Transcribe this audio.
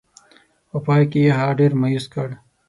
په پای کې یې هغه ډېر مایوس کړ.